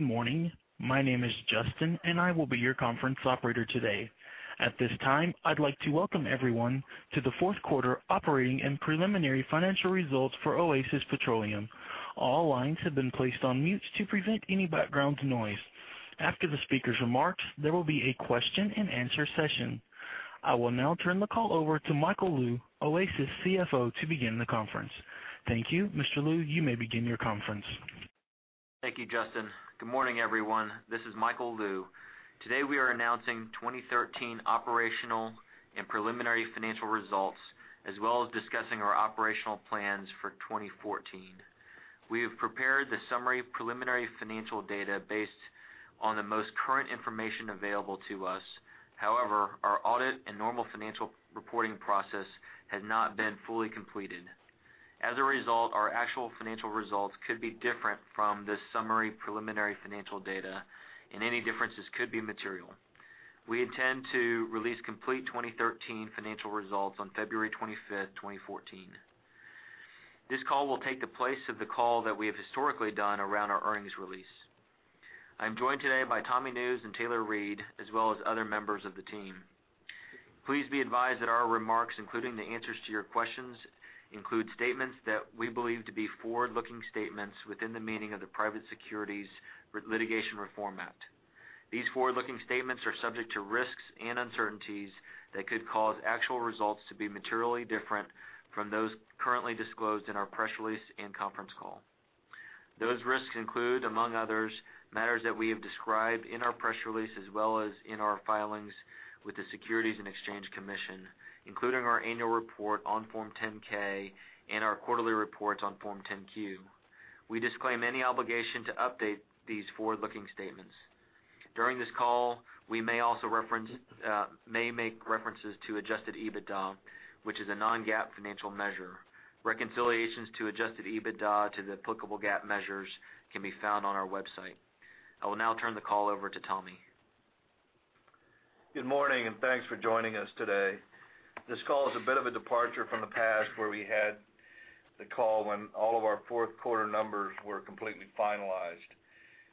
Good morning. My name is Justin, and I will be your conference operator today. At this time, I'd like to welcome everyone to the fourth quarter operating and preliminary financial results for Oasis Petroleum. All lines have been placed on mute to prevent any background noise. After the speaker's remarks, there will be a question and answer session. I will now turn the call over to Michael Lou, Oasis CFO, to begin the conference. Thank you. Mr. Lou, you may begin your conference. Thank you, Justin. Good morning, everyone. This is Michael Lou. Today, we are announcing 2013 operational and preliminary financial results, as well as discussing our operational plans for 2014. We have prepared the summary preliminary financial data based on the most current information available to us. However, our audit and normal financial reporting process has not been fully completed. As a result, our actual financial results could be different from this summary preliminary financial data, and any differences could be material. We intend to release complete 2013 financial results on February 25th, 2014. This call will take the place of the call that we have historically done around our earnings release. I'm joined today by Thomas Nusz and Taylor Reid, as well as other members of the team. Please be advised that our remarks, including the answers to your questions, include statements that we believe to be forward-looking statements within the meaning of the Private Securities Litigation Reform Act. These forward-looking statements are subject to risks and uncertainties that could cause actual results to be materially different from those currently disclosed in our press release and conference call. Those risks include, among others, matters that we have described in our press release, as well as in our filings with the Securities and Exchange Commission, including our annual report on Form 10-K and our quarterly reports on Form 10-Q. We disclaim any obligation to update these forward-looking statements. During this call, we may make references to adjusted EBITDA, which is a non-GAAP financial measure. Reconciliations to adjusted EBITDA to the applicable GAAP measures can be found on our website. I will now turn the call over to Tommy. Good morning, and thanks for joining us today. This call is a bit of a departure from the past where we had the call when all of our fourth quarter numbers were completely finalized.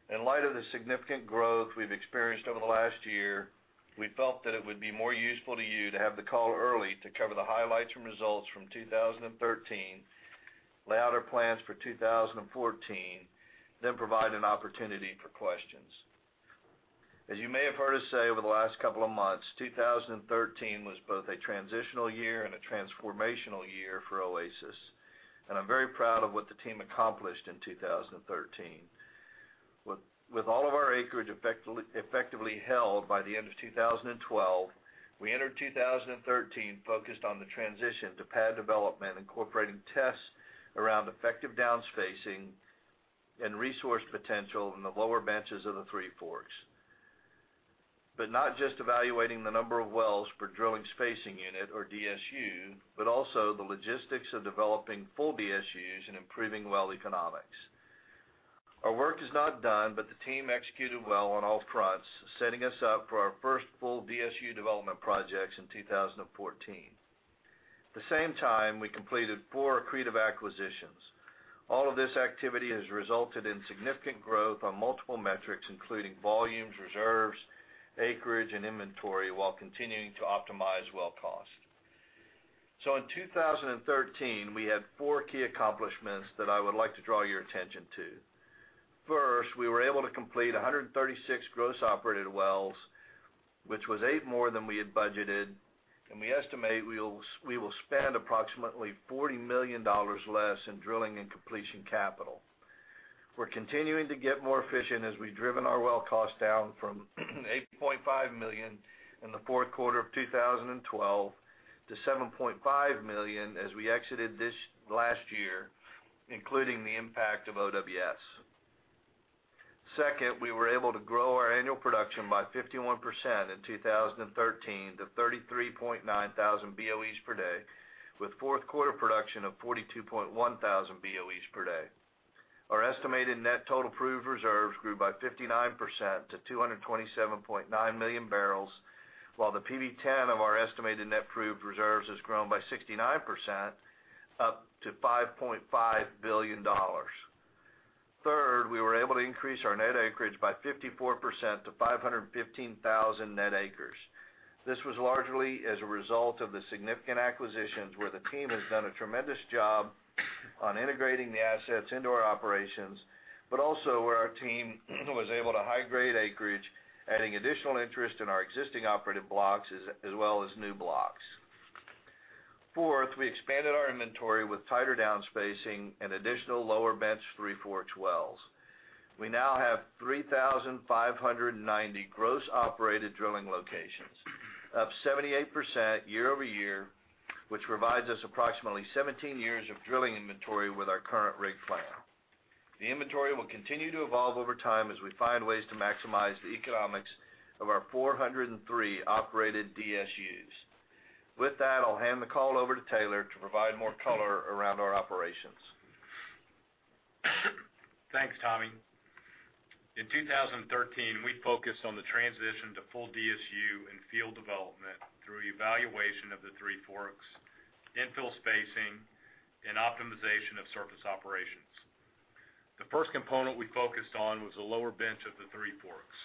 In light of the significant growth we've experienced over the last year, we felt that it would be more useful to you to have the call early to cover the highlights from results from 2013, lay out our plans for 2014, then provide an opportunity for questions. As you may have heard us say over the last couple of months, 2013 was both a transitional year and a transformational year for Oasis, and I'm very proud of what the team accomplished in 2013. With all of our acreage effectively held by the end of 2012, we entered 2013 focused on the transition to pad development, incorporating tests around effective down spacing and resource potential in the lower benches of the Three Forks. Not just evaluating the number of wells per drilling spacing unit, or DSU, but also the logistics of developing full DSUs and improving well economics. Our work is not done, but the team executed well on all fronts, setting us up for our first full DSU development projects in 2014. At the same time, we completed four accretive acquisitions. All of this activity has resulted in significant growth on multiple metrics, including volumes, reserves, acreage, and inventory, while continuing to optimize well cost. In 2013, we had four key accomplishments that I would like to draw your attention to. First, we were able to complete 136 gross operated wells, which was eight more than we had budgeted, and we estimate we will spend approximately $40 million less in drilling and completion capital. We're continuing to get more efficient as we've driven our well cost down from $8.5 million in the fourth quarter of 2012 to $7.5 million as we exited last year, including the impact of OWS. Second, we were able to grow our annual production by 51% in 2013, to 33.9 thousand BOEs per day, with fourth quarter production of 42.1 thousand BOEs per day. Our estimated net total proved reserves grew by 59% to 227.9 million barrels, while the PV-10 of our estimated net proved reserves has grown by 69%, up to $5.5 billion. Third, we were able to increase our net acreage by 54% to 515,000 net acres. This was largely as a result of the significant acquisitions where the team has done a tremendous job on integrating the assets into our operations, but also where our team was able to high-grade acreage, adding additional interest in our existing operative blocks, as well as new blocks. Fourth, we expanded our inventory with tighter down spacing and additional lower bench Three Forks wells. We now have 3,590 gross operated drilling locations, up 78% year-over-year, which provides us approximately 17 years of drilling inventory with our current rig plan. The inventory will continue to evolve over time as we find ways to maximize the economics of our 403 operated DSUs. With that, I'll hand the call over to Taylor to provide more color around our operations. Thanks, Tommy. In 2013, we focused on the transition to full DSU and field development Evaluation of the Three Forks, infill spacing, and optimization of surface operations. The first component we focused on was the lower bench of the Three Forks.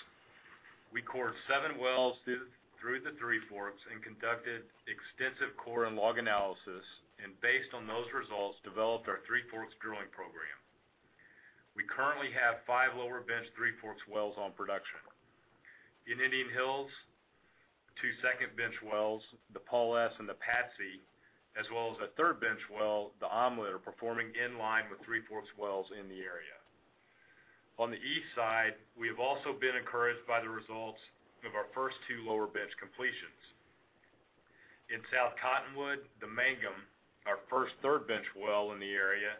We cored seven wells through the Three Forks and conducted extensive core and log analysis, and based on those results, developed our Three Forks drilling program. We currently have five lower bench Three Forks wells on production. In Indian Hills, two second bench wells, the Paul S and the Patsy, as well as a third bench well, the Omelet, are performing in line with Three Forks wells in the area. On the east side, we have also been encouraged by the results of our first two lower bench completions. In South Cottonwood, the Mangum, our first third bench well in the area,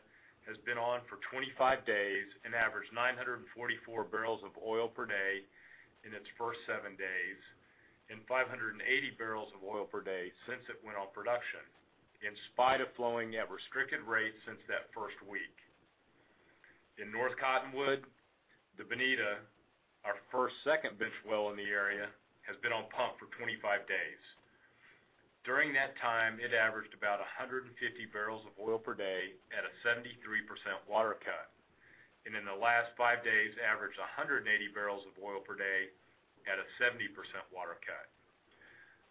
has been on for 25 days and averaged 944 barrels of oil per day in its first seven days and 580 barrels of oil per day since it went on production, in spite of flowing at restricted rates since that first week. In North Cottonwood, the Bonita, our first second bench well in the area, has been on pump for 25 days. During that time, it averaged about 150 barrels of oil per day at a 73% water cut, and in the last five days, averaged 180 barrels of oil per day at a 70% water cut.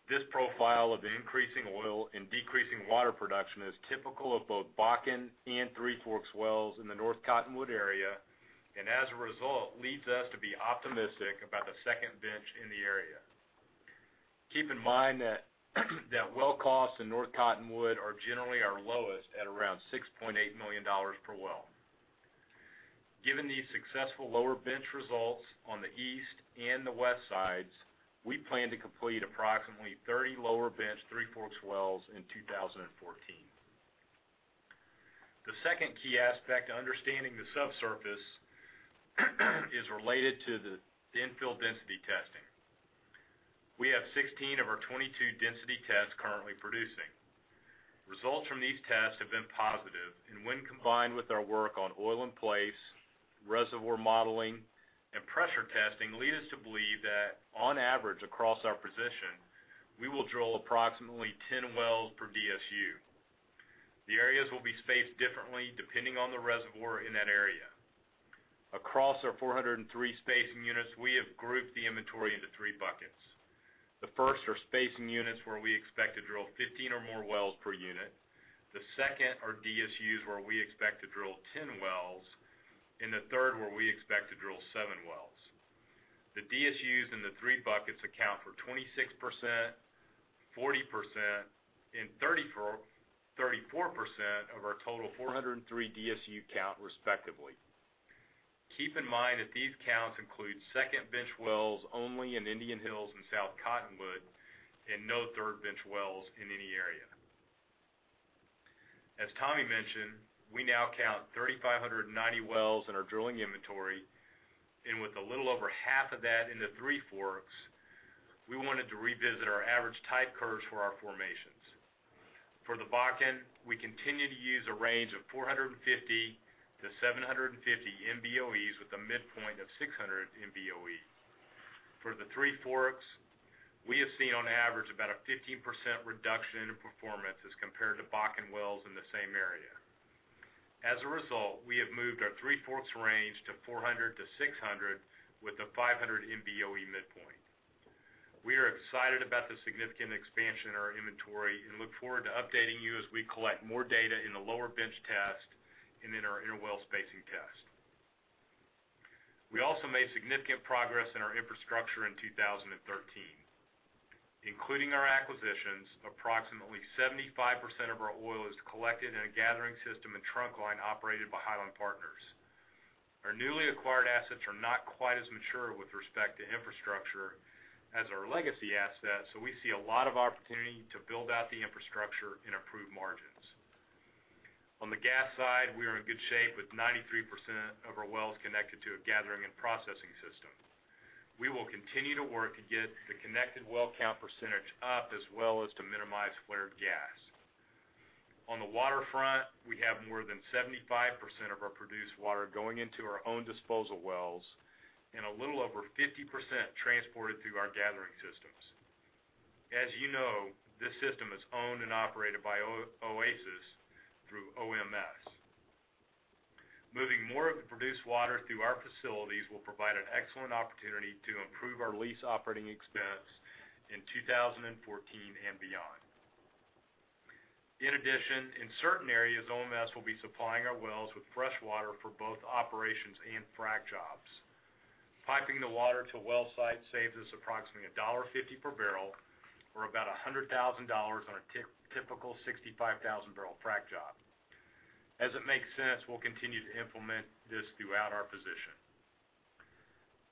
This profile of increasing oil and decreasing water production is typical of both Bakken and Three Forks wells in the North Cottonwood area, as a result, leads us to be optimistic about the second bench in the area. Keep in mind that well costs in North Cottonwood are generally our lowest at around $6.8 million per well. Given these successful lower bench results on the east and the west sides, we plan to complete approximately 30 lower bench Three Forks wells in 2014. The second key aspect to understanding the subsurface is related to the infill density testing. We have 16 of our 22 density tests currently producing. Results from these tests have been positive, when combined with our work on oil in place, reservoir modeling, and pressure testing, lead us to believe that on average across our position, we will drill approximately 10 wells per DSU. The areas will be spaced differently depending on the reservoir in that area. Across our 403 spacing units, we have grouped the inventory into three buckets. The first are spacing units where we expect to drill 15 or more wells per unit, the second are DSUs where we expect to drill 10 wells, the third where we expect to drill seven wells. The DSUs in the three buckets account for 26%, 40% and 34% of our total 403 DSU count respectively. Keep in mind that these counts include second bench wells only in Indian Hills and South Cottonwood, no third bench wells in any area. As Tommy mentioned, we now count 3,590 wells in our drilling inventory, with a little over half of that in the Three Forks, we wanted to revisit our average type curves for our formations. For the Bakken, we continue to use a range of 450-750 MBOE with a midpoint of 600 MBOE. For the Three Forks, we have seen on average about a 15% reduction in performance as compared to Bakken wells in the same area. As a result, we have moved our Three Forks range to 400-600 with a 500 MBOE midpoint. We are excited about the significant expansion in our inventory, look forward to updating you as we collect more data in the lower bench test and in our interwell spacing test. We also made significant progress in our infrastructure in 2013. Including our acquisitions, approximately 75% of our oil is collected in a gathering system and trunk line operated by Hiland Partners. Our newly acquired assets are not quite as mature with respect to infrastructure as our legacy assets, we see a lot of opportunity to build out the infrastructure and improve margins. On the gas side, we are in good shape with 93% of our wells connected to a gathering and processing system. We will continue to work to get the connected well count percentage up as well as to minimize flared gas. On the water front, we have more than 75% of our produced water going into our own disposal wells and a little over 50% transported through our gathering systems. As you know, this system is owned and operated by Oasis through OMS. Moving more of the produced water through our facilities will provide an excellent opportunity to improve our lease operating expense in 2014 and beyond. In addition, in certain areas, OMS will be supplying our wells with fresh water for both operations and frac jobs. Piping the water to well site saves us approximately $1.50 per barrel or about $100,000 on a typical 65,000 barrel frac job. As it makes sense, we'll continue to implement this throughout our position.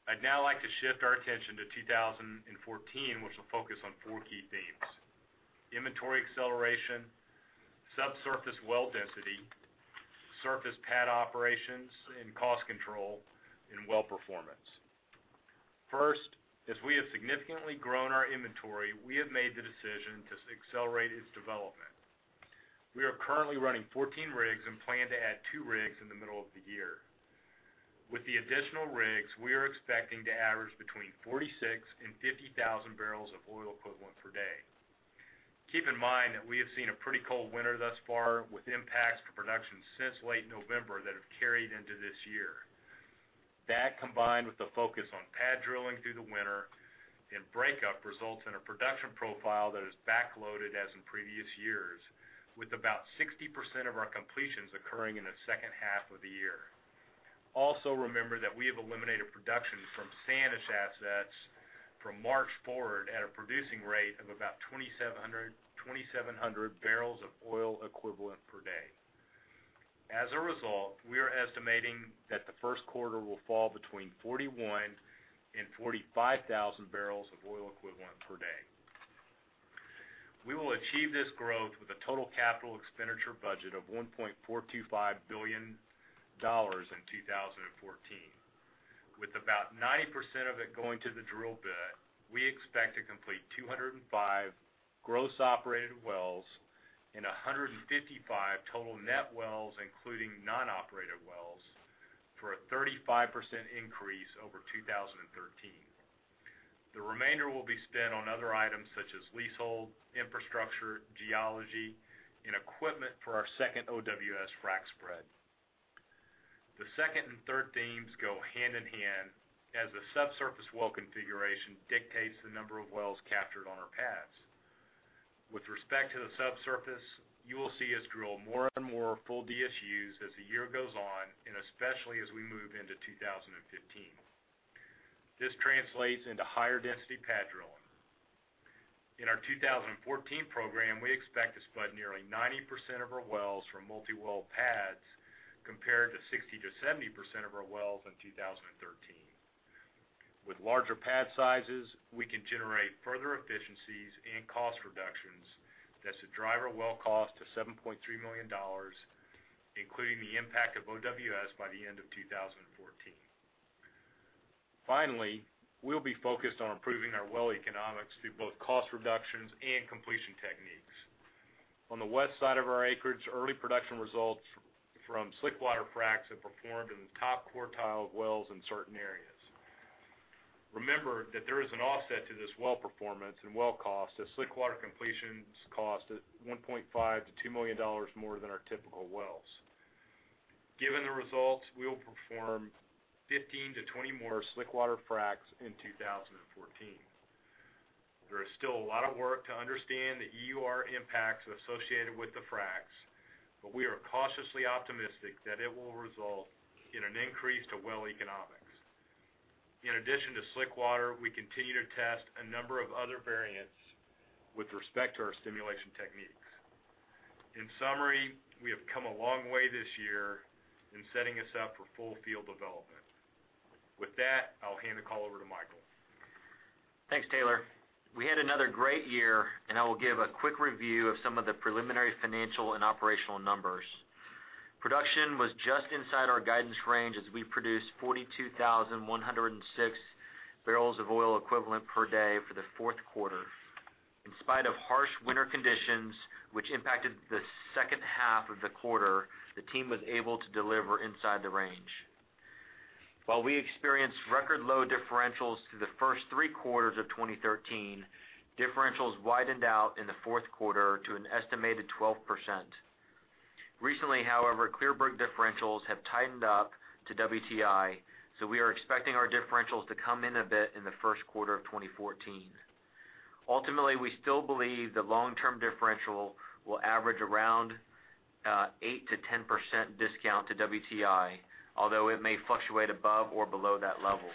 I'd now like to shift our attention to 2014, which will focus on four key themes: inventory acceleration, subsurface well density, surface pad operations and cost control, and well performance. First, as we have significantly grown our inventory, we have made the decision to accelerate its development. We are currently running 14 rigs and plan to add two rigs in the middle of the year. With the additional rigs, we are expecting to average between 46,000 and 50,000 barrels of oil equivalent per day. Keep in mind that we have seen a pretty cold winter thus far, with impacts to production since late November that have carried into this year. That, combined with the focus on pad drilling through the winter and breakup, results in a production profile that is back-loaded as in previous years, with about 60% of our completions occurring in the second half of the year. Also remember that we have eliminated production from Sanish assets from March forward at a producing rate of about 2,700 barrels of oil equivalent per day. As a result, we are estimating that the first quarter will fall between 41,000 and 45,000 barrels of oil equivalent per day. We will achieve this growth with a total capital expenditure budget of $1.425 billion in 2014. With about 90% of it going to the drill bit, we expect to complete 205 gross operated wells and 155 total net wells, including non-operated wells, for a 35% increase over 2013. The remainder will be spent on other items such as leasehold, infrastructure, geology, and equipment for our second OWS frac spread. The second and third themes go hand in hand, as the subsurface well configuration dictates the number of wells captured on our pads. With respect to the subsurface, you will see us drill more and more full DSUs as the year goes on, and especially as we move into 2015. This translates into higher density pad drilling. In our 2014 program, we expect to spud nearly 90% of our wells from multi-well pads, compared to 60%-70% of our wells in 2013. With larger pad sizes, we can generate further efficiencies and cost reductions that should drive our well cost to $7.3 million, including the impact of OWS by the end of 2014. Finally, we'll be focused on improving our well economics through both cost reductions and completion techniques. On the west side of our acreage, early production results from slickwater fracs have performed in the top quartile of wells in certain areas. Remember that there is an offset to this well performance and well cost, as slickwater completions cost $1.5 million-$2 million more than our typical wells. Given the results, we will perform 15-20 more slickwater fracs in 2014. There is still a lot of work to understand the EUR impacts associated with the fracs, but we are cautiously optimistic that it will result in an increase to well economics. In addition to slickwater, we continue to test a number of other variants with respect to our stimulation techniques. In summary, we have come a long way this year in setting us up for full field development. With that, I'll hand the call over to Michael. Thanks, Taylor. I will give a quick review of some of the preliminary financial and operational numbers. Production was just inside our guidance range as we produced 42,106 barrels of oil equivalent per day for the fourth quarter. In spite of harsh winter conditions, which impacted the second half of the quarter, the team was able to deliver inside the range. While we experienced record low differentials through the first three quarters of 2013, differentials widened out in the fourth quarter to an estimated 12%. Recently, however, Clearbrook differentials have tightened up to WTI, we are expecting our differentials to come in a bit in the first quarter of 2014. Ultimately, we still believe the long-term differential will average around a 8%-10% discount to WTI, although it may fluctuate above or below that level.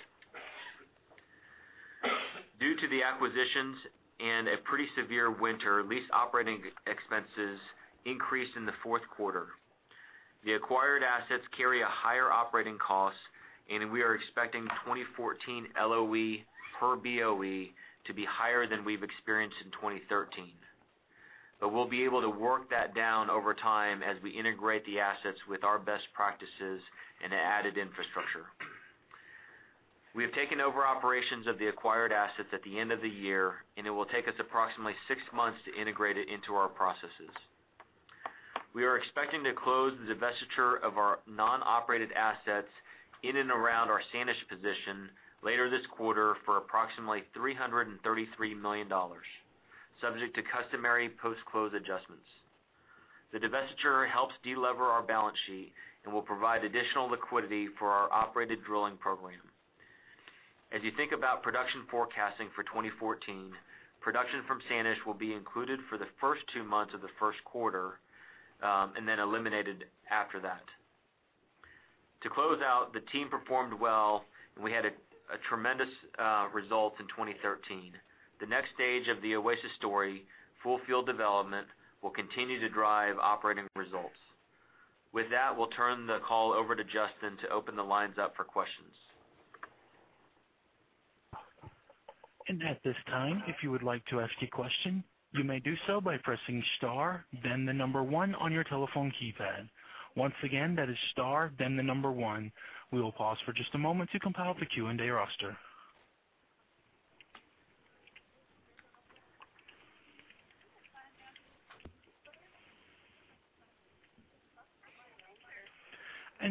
Due to the acquisitions and a pretty severe winter, lease operating expenses increased in the fourth quarter. The acquired assets carry a higher operating cost, we are expecting 2014 LOE per BOE to be higher than we've experienced in 2013. We'll be able to work that down over time as we integrate the assets with our best practices and added infrastructure. We have taken over operations of the acquired assets at the end of the year, it will take us approximately six months to integrate it into our processes. We are expecting to close the divestiture of our non-operated assets in and around our Sanish position later this quarter for approximately $333 million, subject to customary post-close adjustments. The divestiture helps de-lever our balance sheet and will provide additional liquidity for our operated drilling program. As you think about production forecasting for 2014, production from Sanish will be included for the first two months of the first quarter, and then eliminated after that. To close out, the team performed well, and we had tremendous results in 2013. The next stage of the Oasis story, full field development, will continue to drive operating results. With that, we'll turn the call over to Justin to open the lines up for questions. At this time, if you would like to ask a question, you may do so by pressing star then the number one on your telephone keypad. Once again, that is star then the number one. We will pause for just a moment to compile the Q&A roster.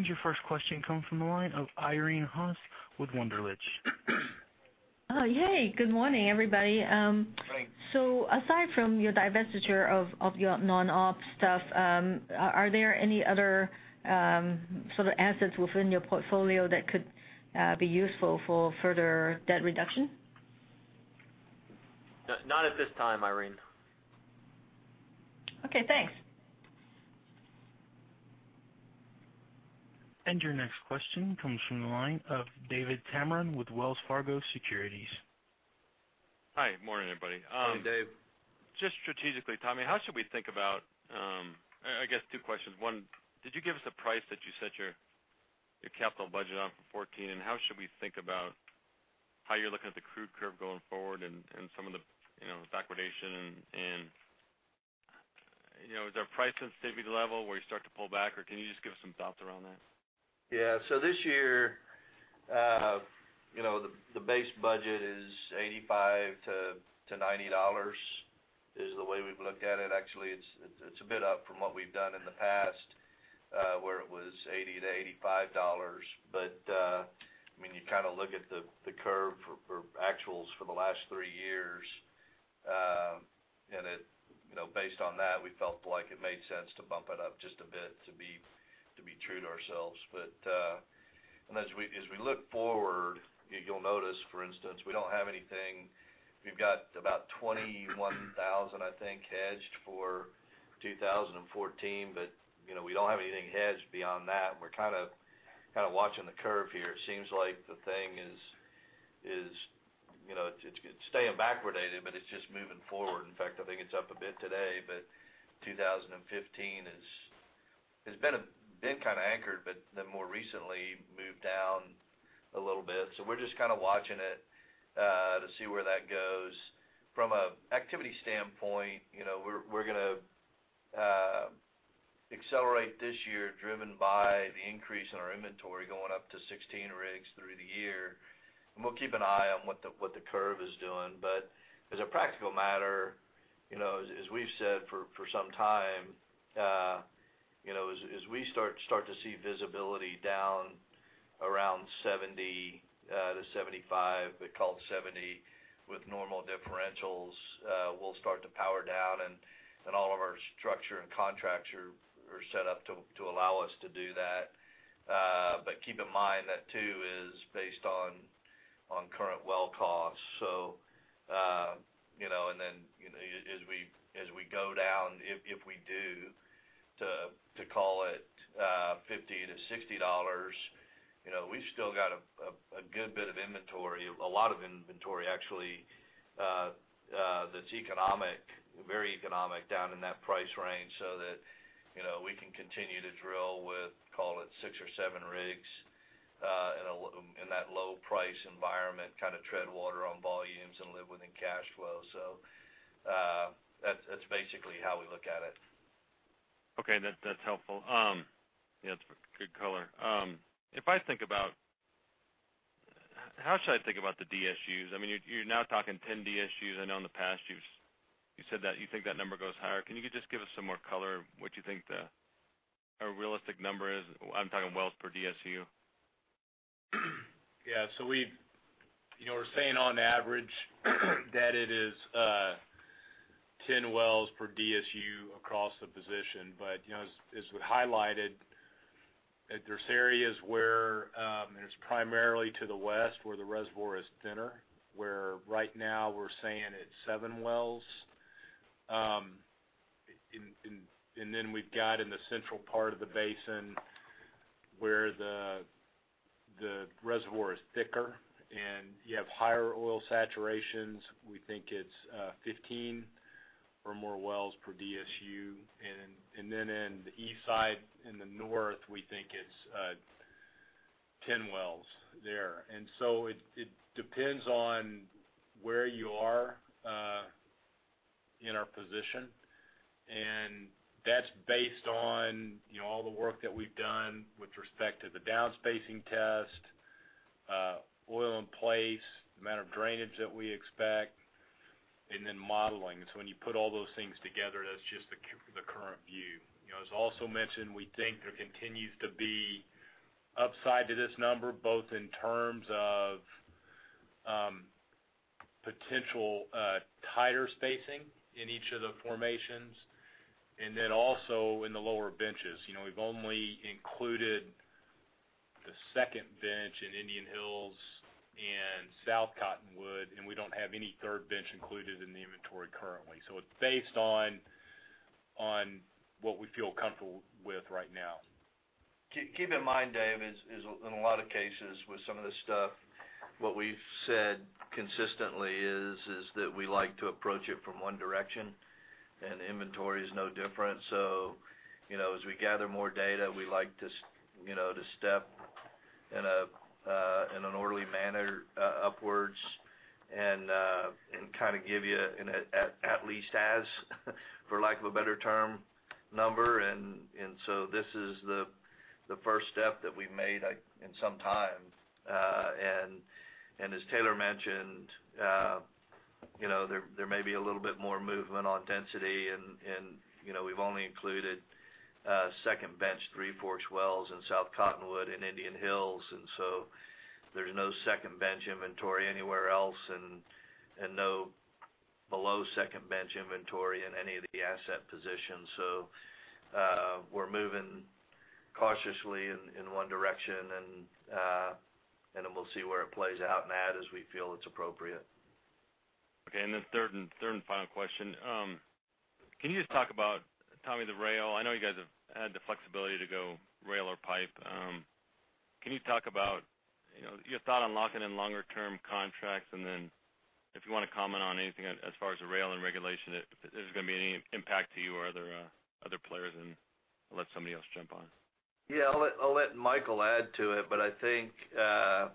Your first question comes from the line of Irene Haas with Wunderlich. Oh, yay. Good morning, everybody. Morning. Aside from your divestiture of your non-op stuff, are there any other sort of assets within your portfolio that could be useful for further debt reduction? Not at this time, Irene. Okay, thanks. Your next question comes from the line of David Tameron with Wells Fargo Securities. Hi. Morning, everybody. Morning, David Tameron. Just strategically, Thomas Nusz, how should we think about I guess two questions. One, did you give us a price that you set your capital budget on for 2014? How should we think about how you're looking at the crude curve going forward and some of the backwardation and is there a price sensitivity level where you start to pull back? Can you just give us some thoughts around that? This year, the base budget is $85-$90, is the way we've looked at it. Actually, it's a bit up from what we've done in the past, where it was $80-$85. You kind of look at the curve for actuals for the last three years, and based on that, we felt like it made sense to bump it up just a bit to be true to ourselves. As we look forward, you'll notice, for instance, we don't have anything. We've got about 21,000, I think, hedged for 2014, but we don't have anything hedged beyond that. We're kind of watching the curve here. It seems like the thing is, it's staying backwardated, but it's just moving forward. In fact, I think it's up a bit today, but 2015 has been kind of anchored, but then more recently moved down a little bit. We're just kind of watching it, to see where that goes. From an activity standpoint, we're going to accelerate this year driven by the increase in our inventory going up to 16 rigs through the year, and we'll keep an eye on what the curve is doing. As a practical matter, as we've said for some time, as we start to see visibility down around $70 to $75, but call it $70 with normal differentials, we'll start to power down, and all of our structure and contracts are set up to allow us to do that. Keep in mind that too is based on current well costs. As we go down, if we do, to call it $50 to $60, we've still got a good bit of inventory, a lot of inventory actually, that's economic, very economic, down in that price range, so that we can continue to drill with, call it six or seven rigs, in that low price environment, kind of tread water on volumes and live within cash flow. That's basically how we look at it. Okay. That's helpful. Yeah, it's good color. How should I think about the DSUs? You're now talking 10 DSUs. I know in the past you said that you think that number goes higher. Can you just give us some more color, what you think the realistic number is? I'm talking wells per DSU. Yeah. We're saying on average that it is 10 wells per DSU across the position. As we highlighted, there's areas where it's primarily to the West, where the reservoir is thinner, where right now we're saying it's seven wells. We've got in the central part of the basin, where the reservoir is thicker, and you have higher oil saturations. We think it's 15 or more wells per DSU. In the east side, in the north, we think it's 10 wells there. It depends on where you are in our position. That's based on all the work that we've done with respect to the down-spacing test, oil in place, the amount of drainage that we expect, and then modeling. When you put all those things together, that's just the current view. As also mentioned, we think there continues to be upside to this number, both in terms of potential tighter spacing in each of the formations and also in the lower benches. We've only included the second bench in Indian Hills and South Cottonwood, and we don't have any third bench included in the inventory currently. It's based on what we feel comfortable with right now. Keep in mind, Dave, in a lot of cases with some of this stuff, what we've said consistently is that we like to approach it from one direction, and inventory is no different. As we gather more data, we like to step in an orderly manner upwards and give you an at least as, for lack of a better term, number. This is the first step that we've made in some time. As Taylor mentioned- There may be a little bit more movement on density, and we've only included second bench Three Forks wells in South Cottonwood and Indian Hills. There's no second bench inventory anywhere else and no below second bench inventory in any of the asset positions. We're moving cautiously in one direction, and then we'll see where it plays out and add as we feel it's appropriate. Okay. Third and final question. Can you just talk about, Tommy, the rail? I know you guys have had the flexibility to go rail or pipe. Can you talk about your thought on locking in longer term contracts, and then if you want to comment on anything as far as the rail and regulation, if there's going to be any impact to you or other players, and I'll let somebody else jump on. Yeah. I'll let Michael add to it, but I think you are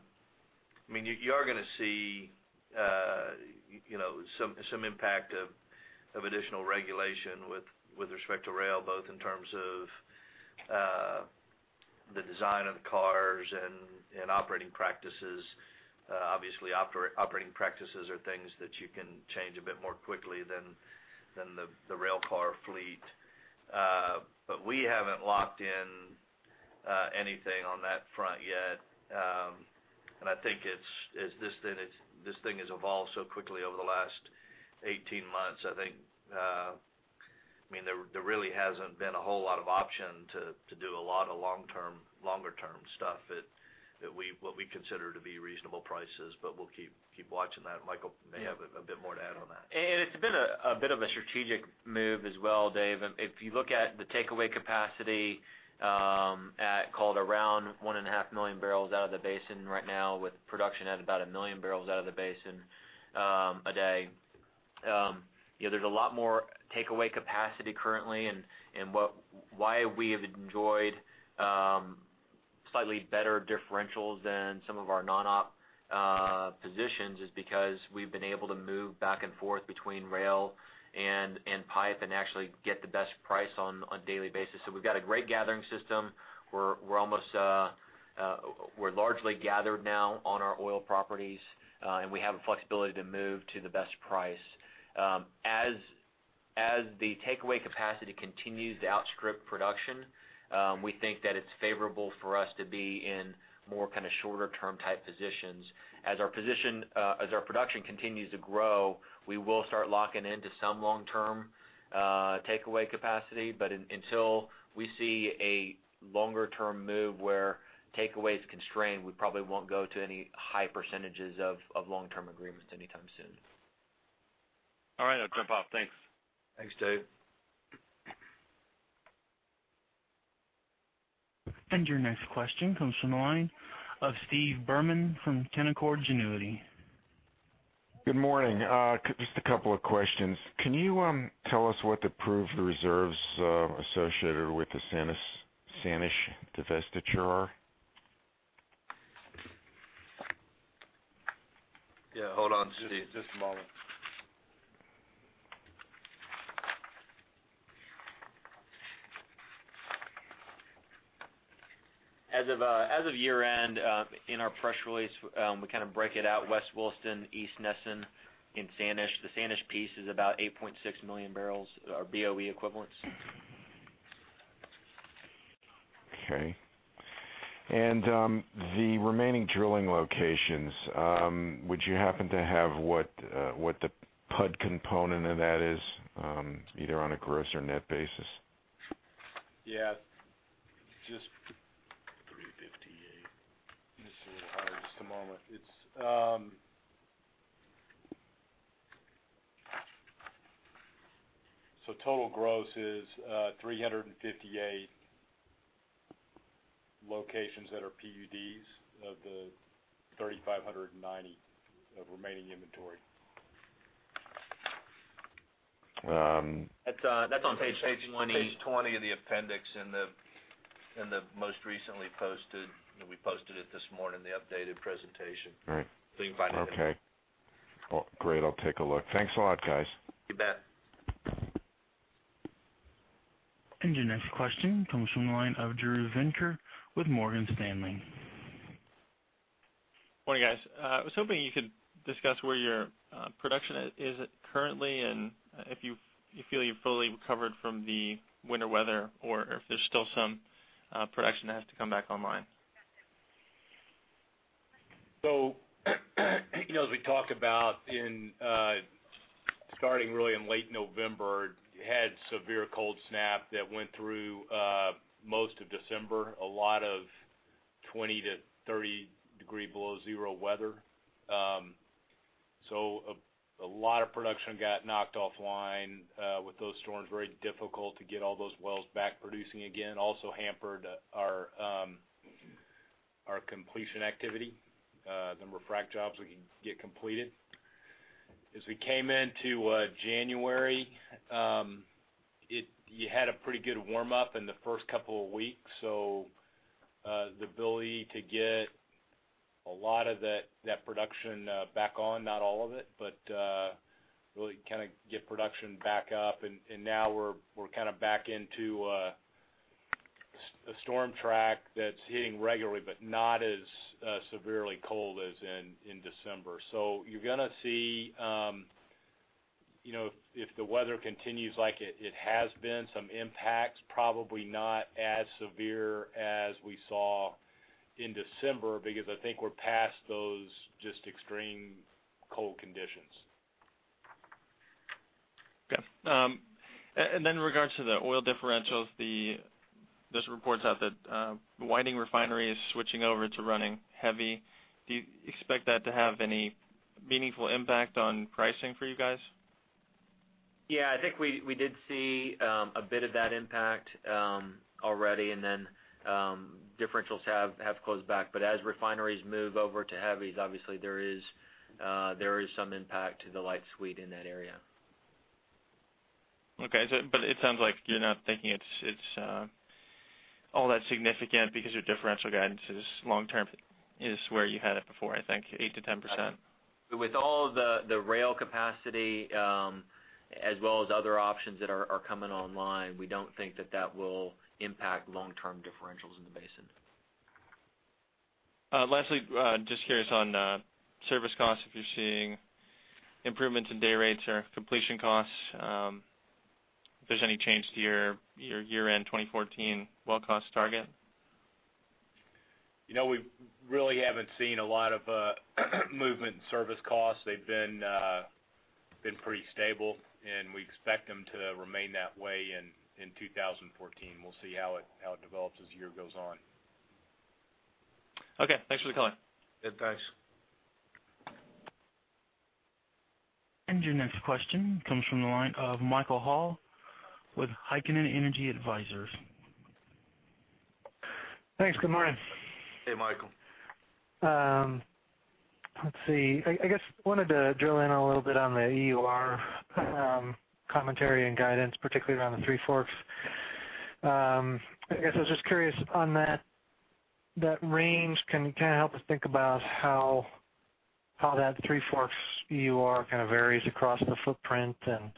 going to see some impact of additional regulation with respect to rail, both in terms of the design of the cars and operating practices. Obviously, operating practices are things that you can change a bit more quickly than the rail car fleet. We haven't locked in anything on that front yet. I think this thing has evolved so quickly over the last 18 months. There really hasn't been a whole lot of option to do a lot of longer term stuff at what we consider to be reasonable prices. We'll keep watching that. Michael may have a bit more to add on that. It's been a bit of a strategic move as well, Dave. If you look at the takeaway capacity at called around 1.5 million barrels out of the basin right now, with production at about 1 million barrels out of the basin a day. There's a lot more takeaway capacity currently, and why we have enjoyed slightly better differentials than some of our non-op positions is because we've been able to move back and forth between rail and pipe and actually get the best price on a daily basis. We've got a great gathering system. We're largely gathered now on our oil properties, and we have the flexibility to move to the best price. As the takeaway capacity continues to outstrip production, we think that it's favorable for us to be in more shorter term type positions. As our production continues to grow, we will start locking into some long-term takeaway capacity. Until we see a longer-term move where takeaway is constrained, we probably won't go to any high percentages of long-term agreements anytime soon. All right. I'll jump off. Thanks. Thanks, Dave. Your next question comes from the line of Stephen Berman from Canaccord Genuity. Good morning. Just a couple of questions. Can you tell us what the proved reserves associated with the Sanish divestiture are? Yeah, hold on, Steve. Just a moment. As of year-end, in our press release, we break it out West Williston, East Nesson, and Sanish. The Sanish piece is about 8.6 million barrels or BOE equivalents. Okay. The remaining drilling locations, would you happen to have what the PUD component of that is, either on a gross or net basis? Yeah. Just 358. This is a little hard. Just a moment. Total gross is 358 locations that are PUDs of the 3,590 of remaining inventory. That's on page 20. Page 20 of the appendix in the most recently posted, we posted it this morning, the updated presentation. All right. You can find it in there. Okay. Great. I'll take a look. Thanks a lot, guys. You bet. Your next question comes from the line of Drew Venker with Morgan Stanley. Morning, guys. I was hoping you could discuss where your production is at currently, and if you feel you've fully recovered from the winter weather, or if there's still some production that has to come back online. As we talked about, starting really in late November, had severe cold snap that went through most of December, a lot of 20 to 30 degree below zero weather. A lot of production got knocked offline with those storms. Very difficult to get all those wells back producing again. Also hampered our completion activity, the frac jobs we can get completed. As we came into January, you had a pretty good warm-up in the first couple of weeks, the ability to get a lot of that production back on, not all of it, but really get production back up, now we're back into a storm track that's hitting regularly, but not as severely cold as in December. You're going to see, if the weather continues like it has been, some impacts, probably not as severe as we saw in December, because I think we're past those just extreme cold conditions. Okay. In regards to the oil differentials, there's reports out that the Whiting Refinery is switching over to running heavy. Do you expect that to have any meaningful impact on pricing for you guys? Yeah, I think we did see a bit of that impact already, differentials have closed back, as refineries move over to heavies, obviously there is some impact to the light suite in that area. Okay. It sounds like you're not thinking it's all that significant because your differential guidances long term is where you had it before, I think 8%-10%. With all the rail capacity, as well as other options that are coming online, we don't think that that will impact long-term differentials in the basin. Lastly, just curious on service costs, if you're seeing improvements in day rates or completion costs, if there's any change to your year-end 2014 well cost target? We really haven't seen a lot of movement in service costs. They've been pretty stable. We expect them to remain that way in 2014. We'll see how it develops as the year goes on. Okay. Thanks for the color. Yeah, thanks. Your next question comes from the line of Michael Hall with Heikkinen Energy Advisors. Thanks. Good morning. Hey, Michael. Let's see. I guess wanted to drill in a little bit on the EUR commentary and guidance, particularly around the Three Forks. I guess I was just curious on that range, can you help us think about how that Three Forks EUR varies across the footprint and,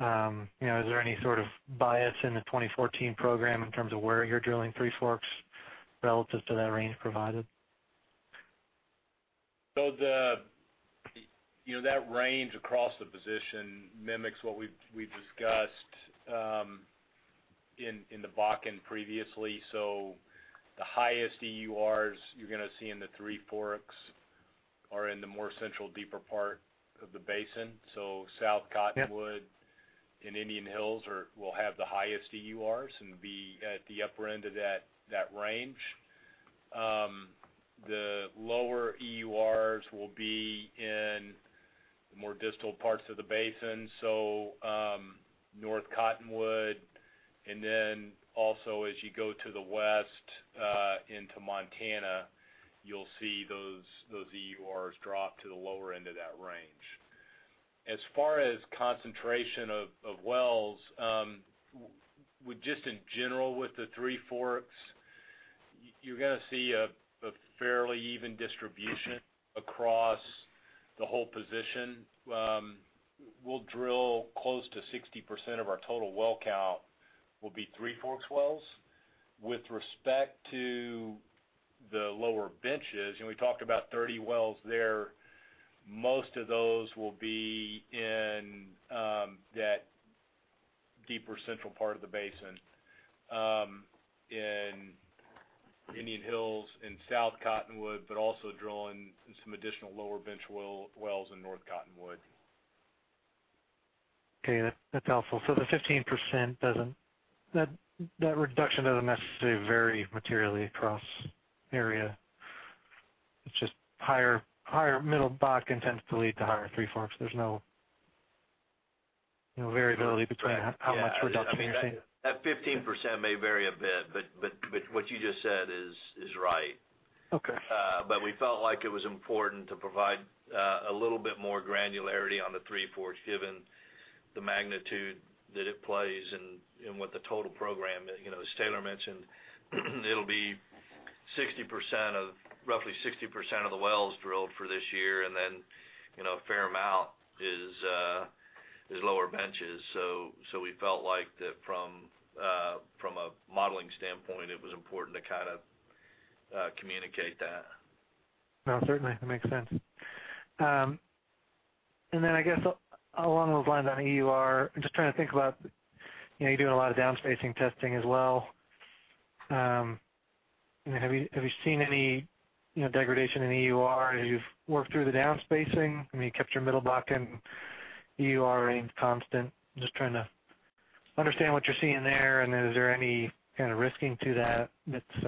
is there any sort of bias in the 2014 program in terms of where you're drilling Three Forks relative to that range provided? That range across the position mimics what we've discussed in the Bakken previously. The highest EURs you're going to see in the Three Forks are in the more central, deeper part of the basin. South Cottonwood and Indian Hills will have the highest EURs and be at the upper end of that range. The lower EURs will be in the more distal parts of the basin. North Cottonwood, and then also as you go to the west into Montana, you'll see those EURs drop to the lower end of that range. As far as concentration of wells, just in general with the Three Forks, you're going to see a fairly even distribution across the whole position. We'll drill close to 60% of our total well count will be Three Forks wells. With respect to the lower benches, we talked about 30 wells there, most of those will be in that deeper central part of the basin, in Indian Hills, in South Cottonwood, but also drilling some additional lower bench wells in North Cottonwood. Okay. That's helpful. The 15%, that reduction doesn't necessarily vary materially across area. It's just higher middle Bakken tends to lead to higher Three Forks. There's no variability between how much reduction you're seeing? That 15% may vary a bit, but what you just said is right. Okay. We felt like it was important to provide a little bit more granularity on the Three Forks, given the magnitude that it plays and what the total program is. As Taylor mentioned, it will be roughly 60% of the wells drilled for this year, and then a fair amount is lower benches. We felt like that from a modeling standpoint, it was important to communicate that. No, certainly. It makes sense. I guess along those lines on EUR, I am just trying to think about, you are doing a lot of down-spacing testing as well. Have you seen any degradation in EUR as you have worked through the down-spacing? Have you kept your middle Bakken EUR range constant? I am just trying to understand what you are seeing there, then is there any kind of risking to that that is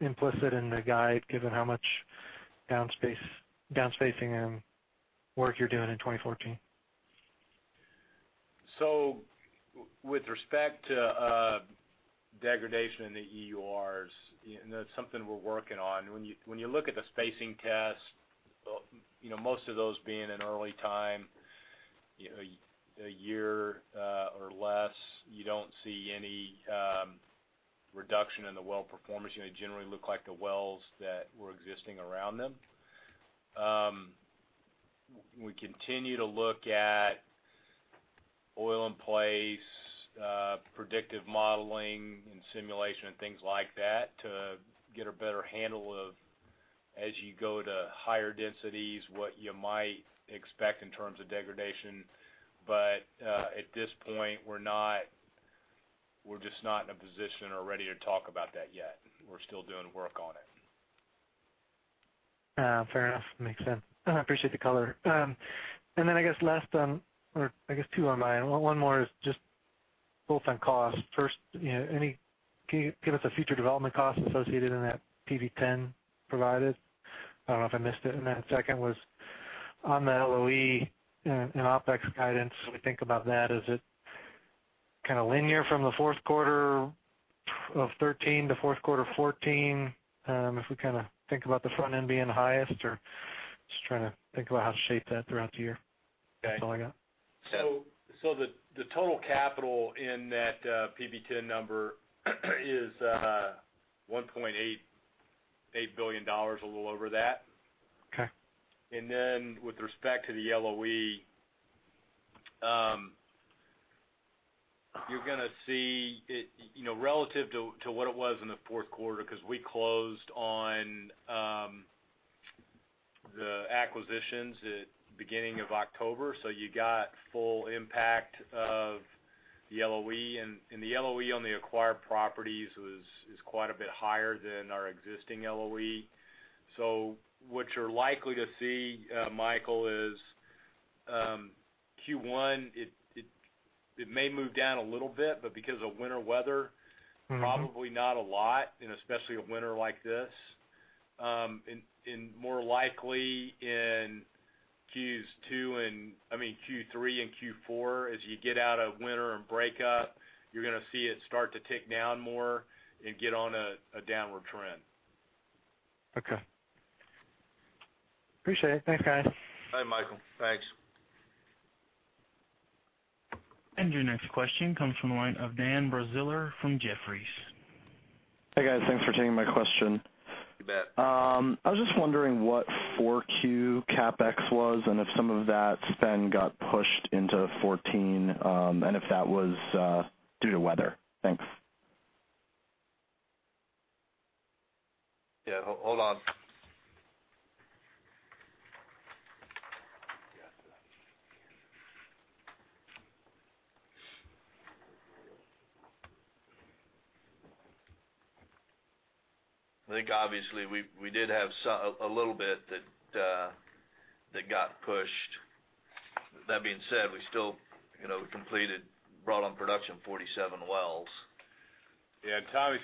implicit in the guide, given how much down-spacing work you are doing in 2014? With respect to degradation in the EURs, that is something we are working on. When you look at the spacing tests, most of those being in early time, a year or less, you do not see any reduction in the well performance. They generally look like the wells that were existing around them. We continue to look at Oil in place, predictive modeling and simulation, and things like that to get a better handle of, as you go to higher densities, what you might expect in terms of degradation. At this point, we are just not in a position or ready to talk about that yet. We are still doing work on it. Fair enough. Makes sense. I appreciate the color. I guess last, or I guess two on my end. One more is just both on cost. First, can you give us a future development cost associated in that PV-10 provided? I do not know if I missed it. Second was on the LOE and OpEx guidance, as we think about that, is it linear from the fourth quarter of 2013 to fourth quarter 2014? If we think about the front end being the highest, or just trying to think about how to shape that throughout the year. Okay. That's all I got. The total capital in that PV-10 number is $1.88 billion, a little over that. Okay. With respect to the LOE, you're going to see it relative to what it was in the fourth quarter, because we closed on the acquisitions at beginning of October, you got full impact of the LOE. The LOE on the acquired properties is quite a bit higher than our existing LOE. What you're likely to see, Michael, is Q1, it may move down a little bit, but because of winter weather- probably not a lot, especially a winter like this. More likely in Q3 and Q4, as you get out of winter and break up, you're going to see it start to tick down more and get on a downward trend. Okay. Appreciate it. Thanks, guys. Bye, Michael. Thanks. Your next question comes from the line of Dan Braziller from Jefferies. Hey, guys. Thanks for taking my question. You bet. I was just wondering what 4Q CapEx was and if some of that spend got pushed into 2014, and if that was due to weather. Thanks. Yeah. Hold on. I think obviously, we did have a little bit that got pushed. That being said, we still completed, brought on production 47 wells. Yeah. Tommy,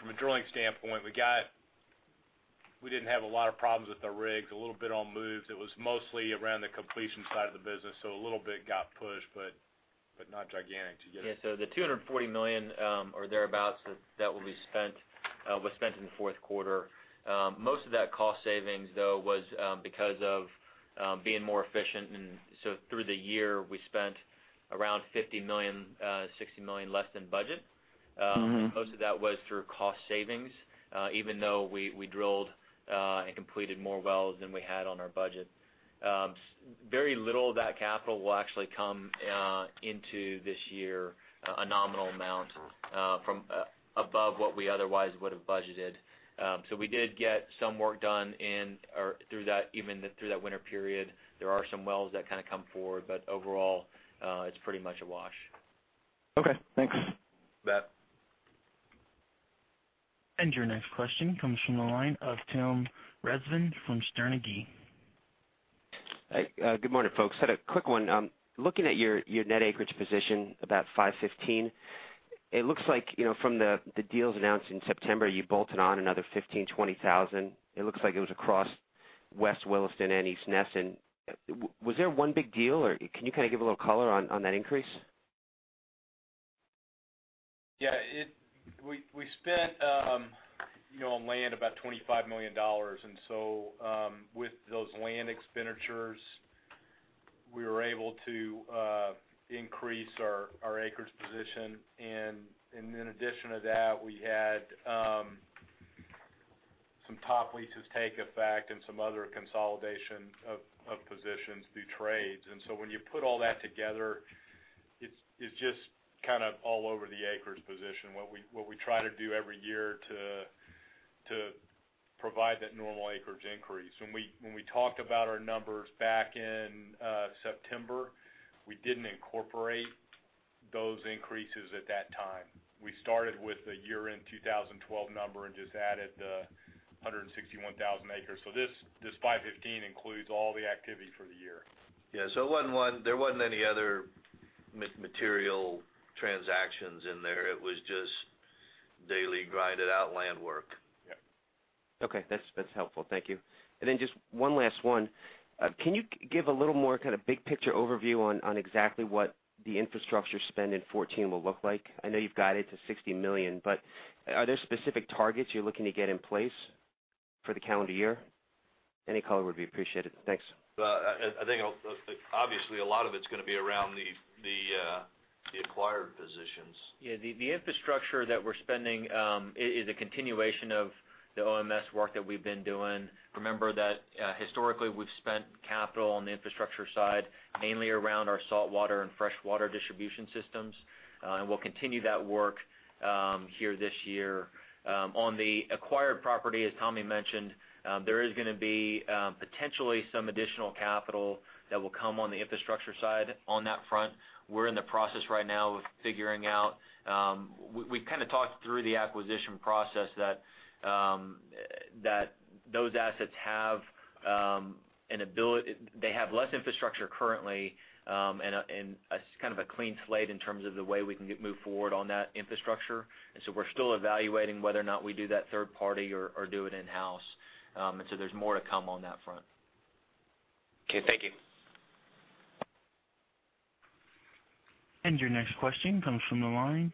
from a drilling standpoint, we didn't have a lot of problems with the rigs, a little bit on moves. It was mostly around the completion side of the business, a little bit got pushed, not gigantic to get it. Yeah. The $240 million, or thereabouts, that will be spent was spent in the fourth quarter. Most of that cost savings, though, was because of being more efficient. Through the year, we spent around $50 million, $60 million less than budget. Most of that was through cost savings, even though we drilled and completed more wells than we had on our budget. Very little of that capital will actually come into this year, a nominal amount from above what we otherwise would've budgeted. We did get some work done even through that winter period. There are some wells that come forward, but overall, it's pretty much a wash. Okay, thanks. You bet. Your next question comes from the line of Tim Rezvan from Sterne Agee. Good morning, folks. Had a quick one. Looking at your net acreage position, about 515, it looks like from the deals announced in September, you bolted on another 15,000, 20,000. It looks like it was across West Williston and East Nesson. Was there one big deal, or can you give a little color on that increase? Yeah. We spent on land about $25 million. With those land expenditures, we were able to increase our acreage position. In addition to that, we had some top leases take effect and some other consolidation of positions through trades. When you put all that together, it's just all over the acreage position, what we try to do every year to provide that normal acreage increase. When we talked about our numbers back in September, we didn't incorporate those increases at that time. We started with the year-end 2012 number and just added the 161,000 acres. This 515 includes all the activity for the year. Yeah. There wasn't any other material transactions in there. It was just daily grinded out land work. Yeah. Okay. That's helpful. Thank you. Just one last one. Can you give a little more big picture overview on exactly what the infrastructure spend in 2014 will look like? I know you've guided to $60 million, are there specific targets you're looking to get in place for the calendar year? Any color would be appreciated. Thanks. I think obviously, a lot of it's going to be around the acquired positions. Yeah. The infrastructure that we're spending is a continuation of the OMS work that we've been doing. Remember that historically, we've spent capital on the infrastructure side, mainly around our saltwater and freshwater distribution systems. We'll continue that work here this year. On the acquired property, as Tommy Nusz mentioned, there is going to be potentially some additional capital that will come on the infrastructure side on that front. We're in the process right now of figuring out, we've talked through the acquisition process that those assets have less infrastructure currently, and it's a clean slate in terms of the way we can move forward on that infrastructure. We're still evaluating whether or not we do that third party or do it in-house. There's more to come on that front. Okay. Thank you. Your next question comes from the line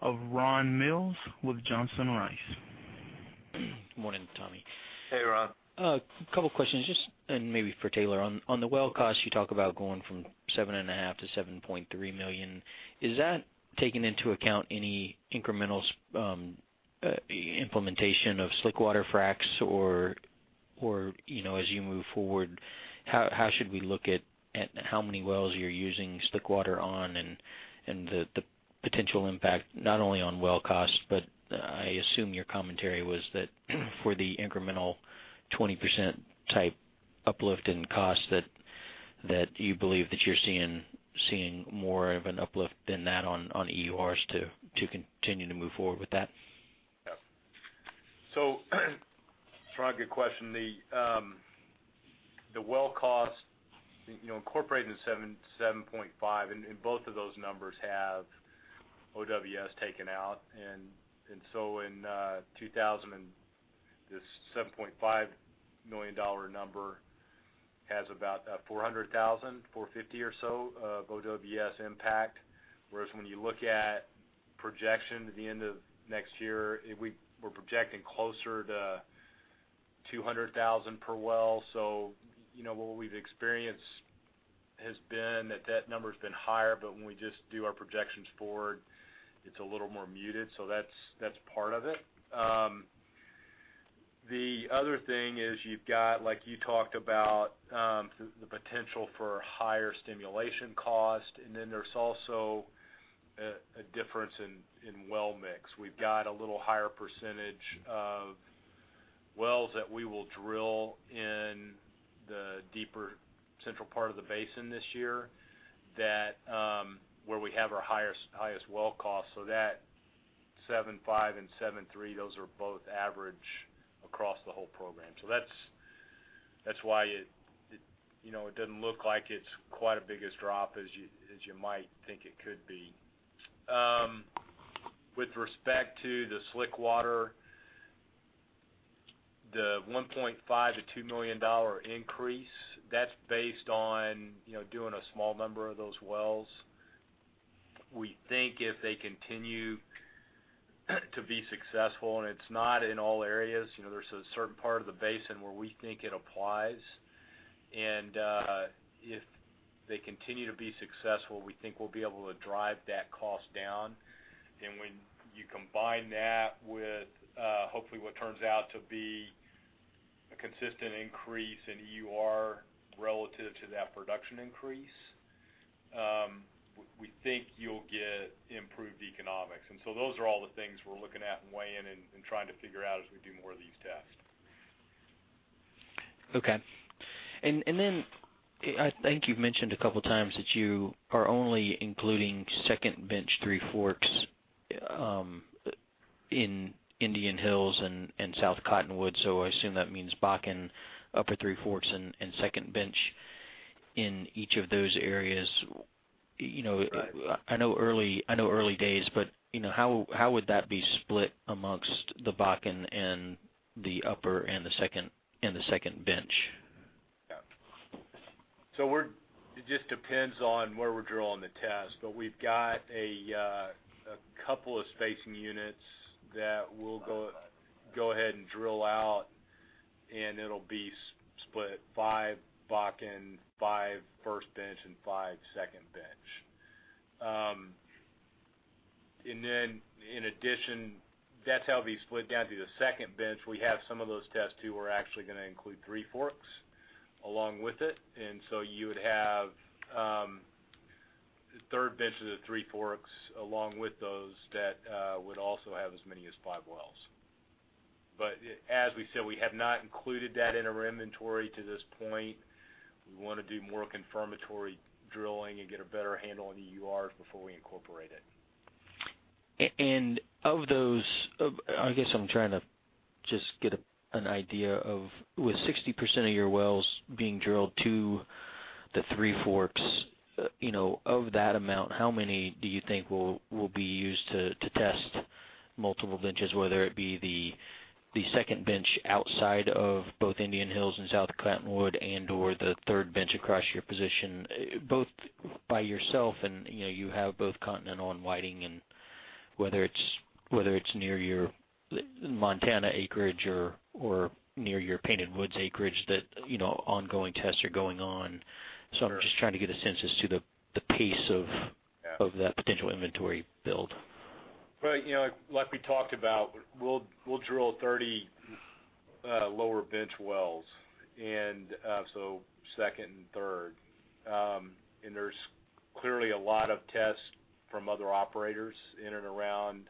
of Ron Mills with Johnson Rice & Company. Morning, Tommy Nusz. Hey, Ron. A couple questions, and maybe for Taylor. On the well cost, you talk about going from $7.5 million to $7.3 million. Is that taking into account any incremental implementation of slickwater fracs? As you move forward, how should we look at how many wells you're using slickwater on and the potential impact, not only on well cost, but I assume your commentary was that for the incremental 20% type uplift in cost, that you believe that you're seeing more of an uplift than that on EURs to continue to move forward with that? Yep. Ron, good question. The well cost, incorporating the $7.5, and both of those numbers have OWS taken out. In this $7.5 million number has about $400,000, $450 or so of OWS impact. Whereas when you look at projection at the end of next year, we're projecting closer to $200,000 per well. What we've experienced has been that that number's been higher, but when we just do our projections forward, it's a little more muted. That's part of it. The other thing is you've got, like you talked about, the potential for higher stimulation cost, and then there's also a difference in well mix. We've got a little higher percentage of wells that we will drill in the deeper central part of the basin this year, where we have our highest well cost. That $7.5 and $7.3, those are both average across the whole program. That's why it doesn't look like it's quite as big a drop as you might think it could be. With respect to the slickwater, the $1.5 million-$2 million increase, that's based on doing a small number of those wells. We think if they continue to be successful, and it's not in all areas, there's a certain part of the basin where we think it applies. If they continue to be successful, we think we'll be able to drive that cost down. When you combine that with, hopefully what turns out to be a consistent increase in EUR relative to that production increase, we think you'll get improved economics. those are all the things we're looking at and weighing in and trying to figure out as we do more of these tests. I think you've mentioned a couple of times that you are only including Second Bench Three Forks in Indian Hills and South Cottonwood. I assume that means Bakken Upper Three Forks and Second Bench in each of those areas. I know early days, but how would that be split amongst the Bakken and the upper and the second bench? It just depends on where we're drilling the test, but we've got a couple of spacing units that we'll go ahead and drill out, and it'll be split five Bakken, five first bench, and five second bench. In addition, that's how it'll be split down through the second bench. We have some of those tests, too, we're actually going to include Three Forks along with it. You would have third bench of the Three Forks along with those that would also have as many as five wells. As we said, we have not included that in our inventory to this point. We want to do more confirmatory drilling and get a better handle on the EURs before we incorporate it. Of those, I guess I'm trying to just get an idea of, with 60% of your wells being drilled to the Three Forks, of that amount, how many do you think will be used to test multiple benches, whether it be the second bench outside of both Indian Hills and South Cottonwood and/or the third bench across your position, both by yourself and you have both Continental and Whiting and Whether it's near your Montana acreage or near your Painted Woods acreage that ongoing tests are going on. Sure. I'm just trying to get a sense as to the pace of Yeah of that potential inventory build. Right. Like we talked about, we'll drill 30 lower bench wells, and so second and third. There's clearly a lot of tests from other operators in and around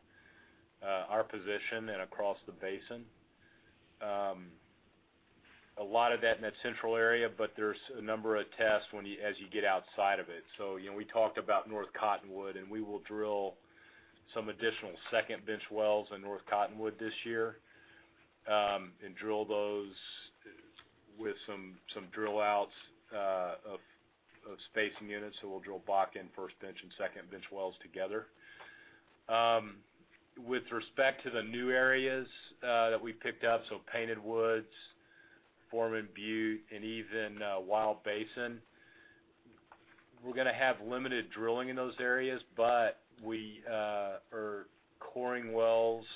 our position and across the Bakken. A lot of that in that central area, but there's a number of tests as you get outside of it. We talked about North Cottonwood, and we will drill some additional second bench wells in North Cottonwood this year. Drill those with some drill outs of spacing units. We'll drill Bakken first bench and second bench wells together. With respect to the new areas that we've picked up, so Painted Woods, Foreman Butte, and even Wild Basin, we're going to have limited drilling in those areas. We are coring wells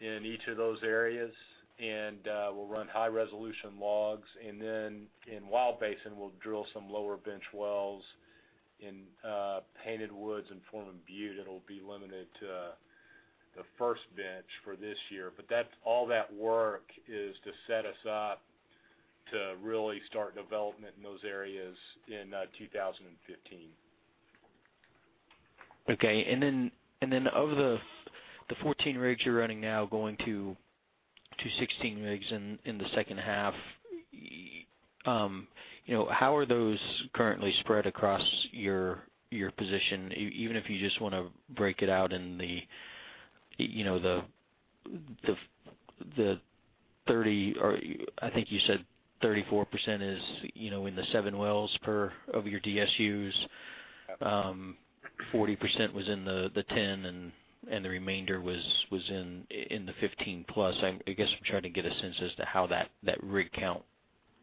in each of those areas, and we'll run high-resolution logs, and then in Wild Basin, we'll drill some lower bench wells. In Painted Woods and Foreman Butte, it'll be limited to the first bench for this year. All that work is to set us up to really start development in those areas in 2015. Okay. Of the 14 rigs you're running now, going to 16 rigs in the second half, how are those currently spread across your position? Even if you just want to break it out in the 30 Or I think you said 34% is in the 7 wells per of your DSUs. Yep. 40% was in the 10, and the remainder was in the 15 plus. I guess, I'm trying to get a sense as to how that rig count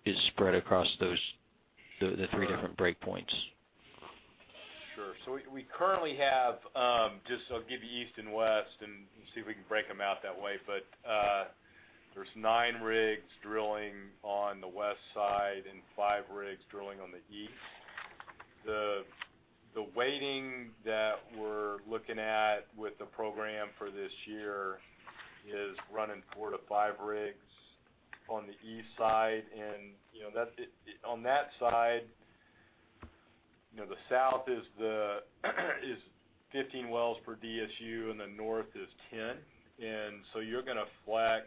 is spread across the three different break points. Sure. We currently have Just, I'll give you East and West and see if we can break them out that way. Yeah There's nine rigs drilling on the west side and five rigs drilling on the east. The weighting that we're looking at with the program for this year is running four to five rigs on the east side. On that side, the south is 15 wells per DSU and the north is 10. You're going to flex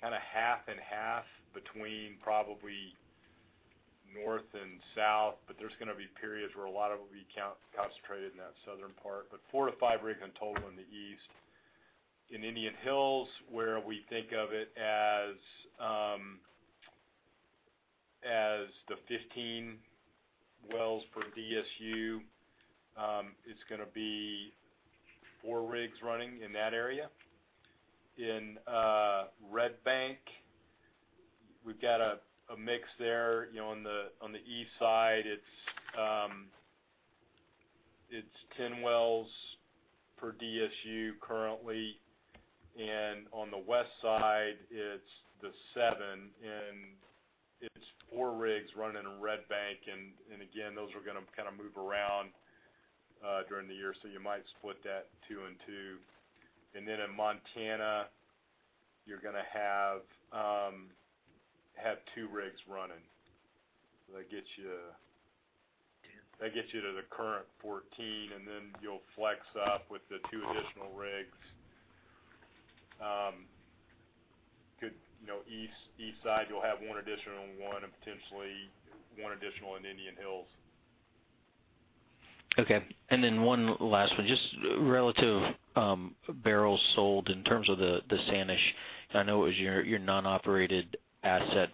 half and half between probably north and south, but there's going to be periods where a lot of it will be concentrated in that southern part. Four to five rigs in total in the east. Indian Hills, where we think of it as the 15 wells per DSU, it's going to be four rigs running in that area. Red Bank, we've got a mix there. On the east side, it's 10 wells per DSU currently, on the west side, it's the seven, and it's four rigs running in Red Bank. Again, those are going to move around during the year, so you might split that two and two. In Montana, you're going to have two rigs running. That gets you to the current 14, then you'll flex up with the two additional rigs. East side, you'll have one additional and one, and potentially one additional in Indian Hills. Okay. One last one. Just relative barrels sold in terms of the Sanish. I know it was your non-operated asset,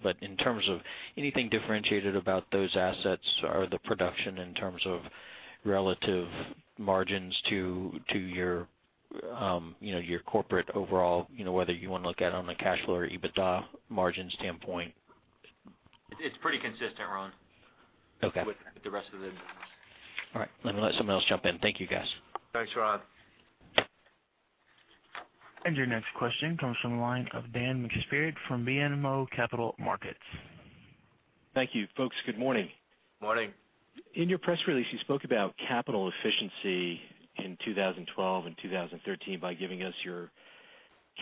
but in terms of anything differentiated about those assets or the production in terms of relative margins to your corporate overall, whether you want to look at it on the cash flow or EBITDA margin standpoint? It's pretty consistent, Ron- Okay with the rest of the business. All right. Let someone else jump in. Thank you, guys. Thanks, Ron. Your next question comes from the line of Dan McSpirit from BMO Capital Markets. Thank you, folks. Good morning. Morning. In your press release, you spoke about capital efficiency in 2012 and 2013 by giving us your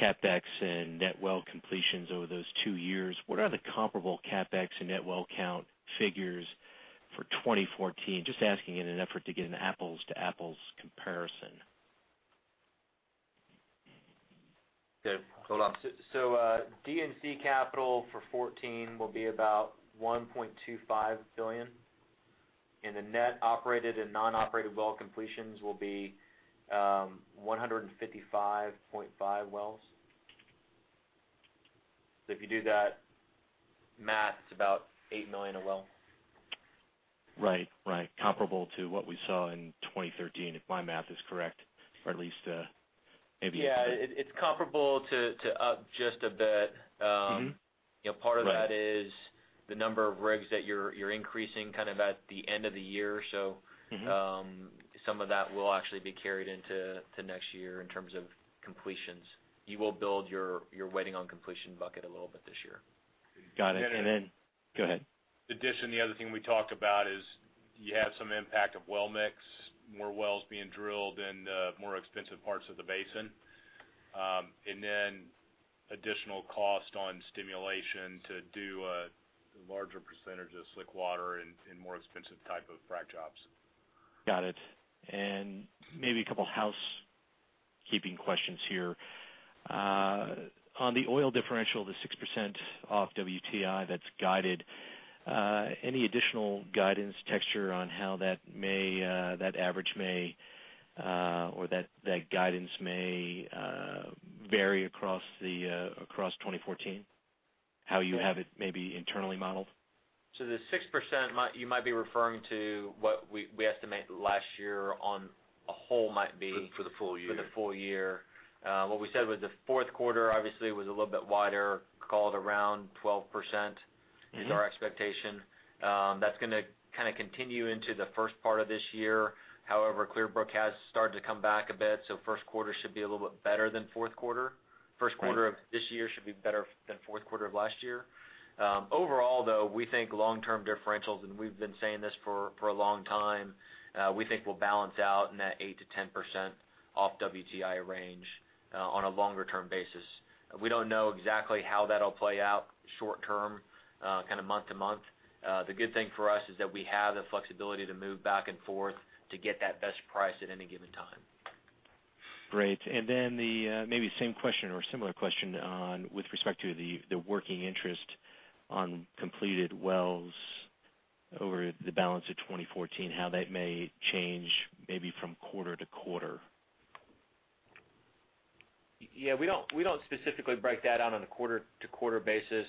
CapEx and net well completions over those two years. What are the comparable CapEx and net well count figures for 2014? Just asking in an effort to get an apples to apples comparison. Dave, go ahead. D&C capital for 2014 will be about $1.25 billion. The net operated and non-operated well completions will be 155.5 wells. If you do that math, it's about $8 million a well. Right. Comparable to what we saw in 2013, if my math is correct, or at least. Yeah. It's comparable to up just a bit. Part of that is the number of rigs that you're increasing at the end of the year. Some of that will actually be carried into next year in terms of completions. You will build your waiting on completion bucket a little bit this year. Got it. Go ahead. In addition, the other thing we talked about is you have some impact of well mix, more wells being drilled in the more expensive parts of the basin. Additional cost on stimulation to do a larger percentage of slickwater and more expensive type of frac jobs. Got it. Maybe two housekeeping questions here. On the oil differential, the 6% off WTI that's guided, any additional guidance texture on how that average may or that guidance may vary across 2014? How you have it maybe internally modeled? The 6%, you might be referring to what we estimate last year on a whole might be- For the full year for the full year. What we said was the fourth quarter obviously was a little bit wider, call it around 12%. is our expectation. That's going to continue into the first part of this year. Clearbrook has started to come back a bit. First quarter should be a little bit better than fourth quarter. Right. First quarter of this year should be better than fourth quarter of last year. Though, we think long-term differentials, and we've been saying this for a long time, we think will balance out in that 8%-10% off WTI range on a longer-term basis. We don't know exactly how that'll play out short-term, month to month. The good thing for us is that we have the flexibility to move back and forth to get that best price at any given time. Great. Then maybe the same question or a similar question with respect to the working interest on completed wells over the balance of 2014, how that may change maybe from quarter to quarter. Yeah. We don't specifically break that down on a quarter-to-quarter basis.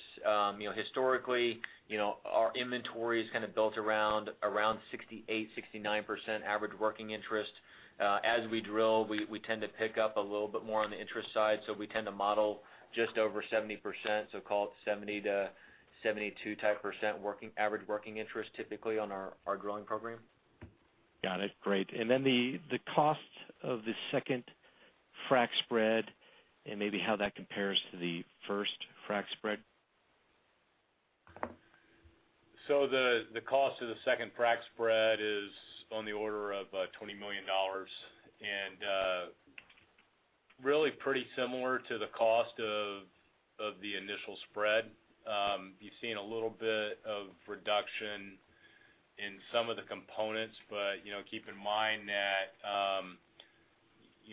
Historically, our inventory is built around 68%, 69% average working interest. As we drill, we tend to pick up a little bit more on the interest side, we tend to model just over 70%. Call it 70%-72%-type average working interest typically on our drilling program. Got it. Great. The cost of the second frac spread and maybe how that compares to the first frac spread? The cost of the second frac spread is on the order of $20 million. Really pretty similar to the cost of the initial spread. You've seen a little bit of reduction in some of the components, keep in mind that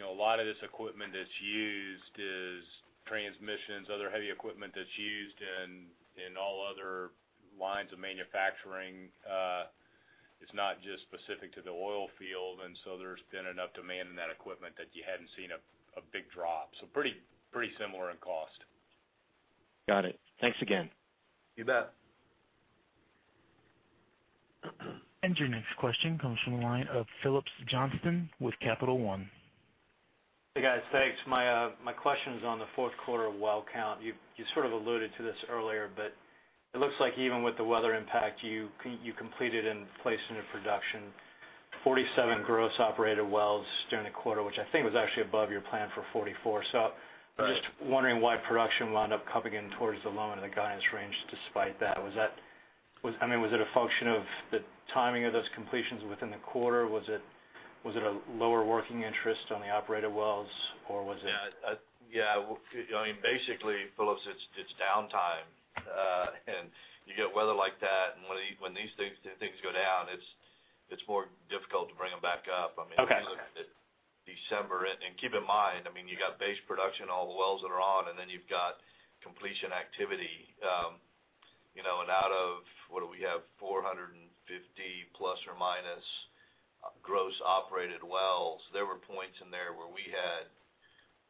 a lot of this equipment that's used is transmissions, other heavy equipment that's used in all other lines of manufacturing. It's not just specific to the oil field, there's been enough demand in that equipment that you haven't seen a big drop. Pretty similar in cost. Got it. Thanks again. You bet. Your next question comes from the line of Phillips Johnston with Capital One. Hey, guys. Thanks. My question is on the fourth quarter well count. You sort of alluded to this earlier, but it looks like even with the weather impact, you completed and placed into production 47 gross operated wells during the quarter, which I think was actually above your plan for 44. Right I'm just wondering why production wound up coming in towards the lower end of the guidance range despite that. Was it a function of the timing of those completions within the quarter? Was it a lower working interest on the operated wells, or was it? Basically, Phillips, it's downtime. You get weather like that, and when these things go down, it's more difficult to bring them back up. Okay. December, keep in mind, you got base production, all the wells that are on, then you've got completion activity. Out of, what do we have, 450 plus or minus gross operated wells, there were points in there where we had,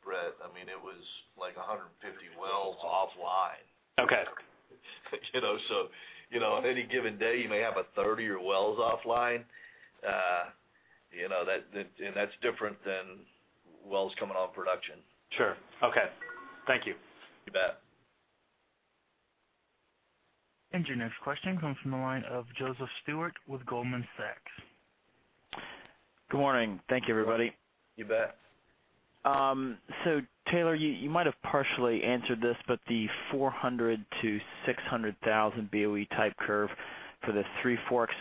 Brett, it was like 150 wells offline. Okay. On any given day, you may have 30 wells offline. That's different than wells coming on production. Sure. Okay. Thank you. You bet. Your next question comes from the line of Joseph Stewart with Goldman Sachs. Good morning. Thank you, everybody. You bet. Taylor, you might have partially answered this, but the 400,000-600,000 BOE type curve for the Three Forks,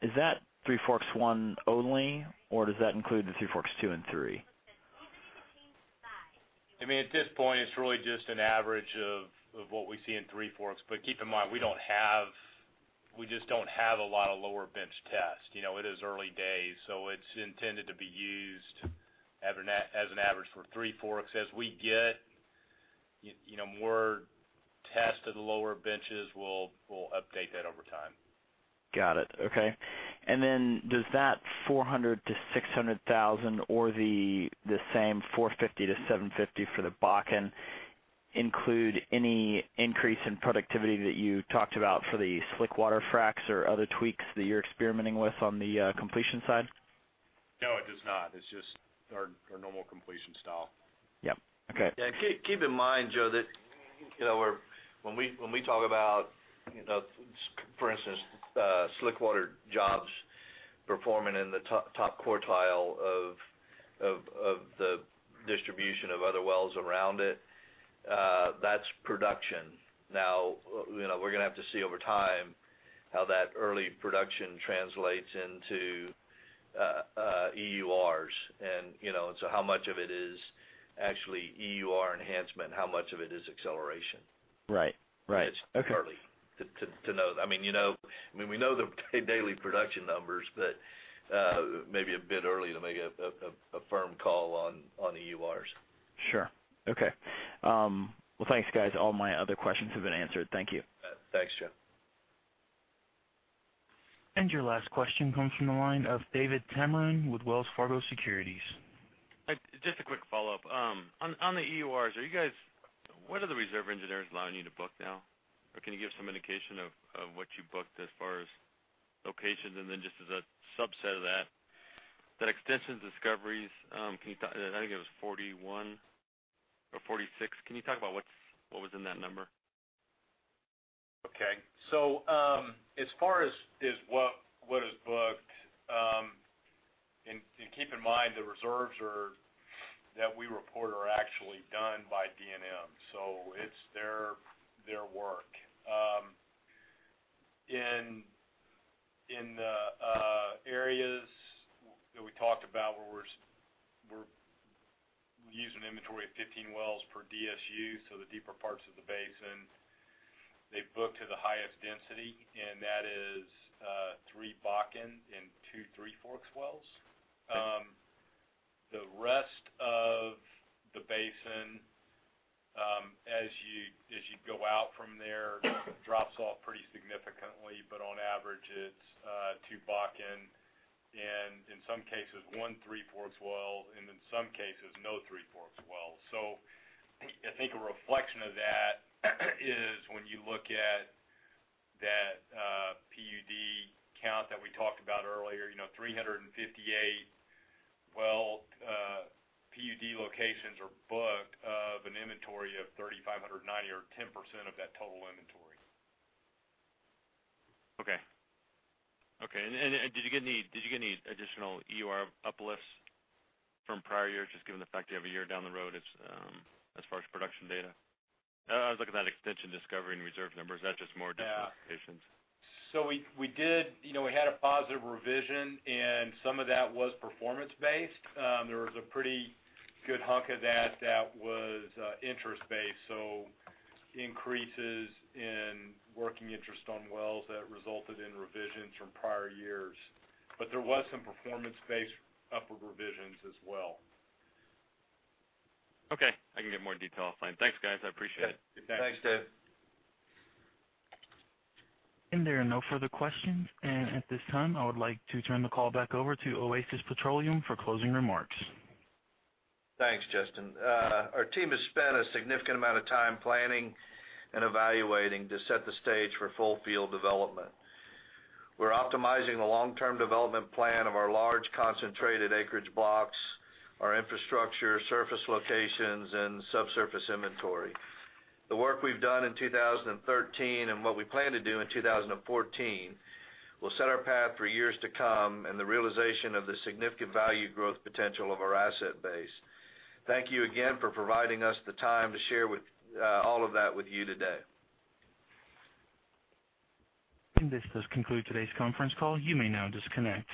is that Three Forks 1 only, or does that include the Three Forks 2 and 3? At this point, it's really just an average of what we see in Three Forks, but keep in mind, we just don't have a lot of lower bench tests. It is early days, so it's intended to be used as an average for Three Forks. As we get more tests to the lower benches, we'll update that over time. Got it. Okay. Does that 400,000-600,000 or the same 450,000-750,000 for the Bakken include any increase in productivity that you talked about for the slickwater fracs or other tweaks that you're experimenting with on the completion side? No, it does not. It's just our normal completion style. Yep. Okay. Yeah. Keep in mind, Joe, that when we talk about, for instance, slickwater jobs performing in the top quartile of the distribution of other wells around it, that's production. We're going to have to see over time how that early production translates into EURs, how much of it is actually EUR enhancement, how much of it is acceleration? Right. Okay. It's early to know. We know the daily production numbers, maybe a bit early to make a firm call on EURs. Sure. Okay. Well, thanks, guys. All my other questions have been answered. Thank you. Thanks, Joe. Your last question comes from the line of David Tameron with Wells Fargo Securities. Just a quick follow-up. On the EURs, what are the reserve engineers allowing you to book now? Can you give some indication of what you booked as far as locations? Just as a subset of that extension discoveries, I think it was 41 or 46. Can you talk about what was in that number? As far as what is booked, and keep in mind, the reserves that we report are actually done by DNM, it's their work. In the areas that we talked about, where we're using inventory of 15 wells per DSU, the deeper parts of the basin, they book to the highest density, and that is three Bakken and two Three Forks wells. Okay. The rest of the basin, as you go out from there, drops off pretty significantly, but on average, it's two Bakken, and in some cases, one Three Forks well, and in some cases, no Three Forks wells. I think a reflection of that is when you look at that PUD count that we talked about earlier, 358 well PUD locations are booked of an inventory of 3,590 or 10% of that total inventory. Did you get any additional EUR uplifts from prior years, just given the fact you have a year down the road as far as production data? I was looking at that extension discovery and reserve numbers. That's just more duplications. We had a positive revision, some of that was performance based. There was a pretty good hunk of that that was interest based, increases in working interest on wells that resulted in revisions from prior years. There was some performance-based upward revisions as well. Okay. I can get more detail off-line. Thanks, guys. I appreciate it. Yeah. Good luck. Thanks, Dave. There are no further questions. At this time, I would like to turn the call back over to Oasis Petroleum for closing remarks. Thanks, Justin. Our team has spent a significant amount of time planning and evaluating to set the stage for full field development. We're optimizing the long-term development plan of our large, concentrated acreage blocks, our infrastructure, surface locations, and subsurface inventory. The work we've done in 2013 and what we plan to do in 2014 will set our path for years to come and the realization of the significant value growth potential of our asset base. Thank you again for providing us the time to share all of that with you today. This does conclude today's conference call. You may now disconnect.